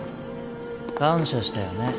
感謝してよね